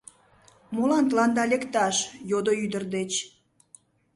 — Молан тыланда лекташ? — йодо ӱдыр деч.